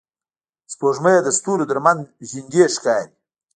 سپوږمۍ د ستورو تر منځ نږدې ښکاري